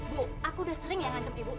bu aku udah sering ya ngancam ibu